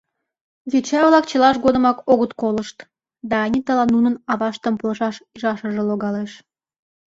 Йоча-влак чылаж годымак огыт колышт, да Аниталан нунын аваштым полшаш ужашыже логалеш.